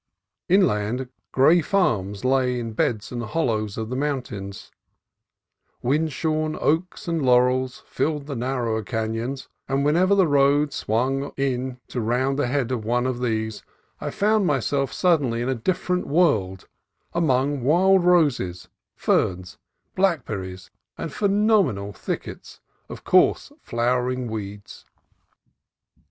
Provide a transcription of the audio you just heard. Inland, gray farms lay in bends and hollows of the mountains; wind shorn oaks and laurels filled the narrower canons; and whenever the road swung in to round the head of one of these, I found myself suddenly in a different world, among wild roses, ferns, blackberries, and phenomenal thickets of coarse flowering weeds.